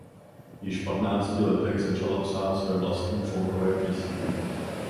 Již v patnácti letech začala psát své vlastní folkové písně.